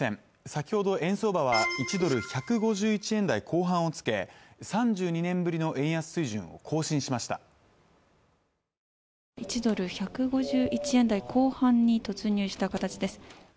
先ほど円相場は１ドル＝１５１円台後半をつけ３２年ぶりの円安水準を更新しました１ドル１５１円台後半に突入した形です